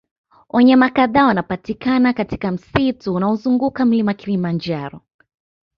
Wanyama kadhaa wanapatikana katika msitu unaozunguka mlima kilimanjaro